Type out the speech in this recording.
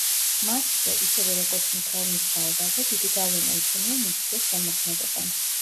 მასზე, ისევე როგორც მთელს მის თაობაზე, დიდი გავლენა იქონია ნიცშეს შემოქმედებამ.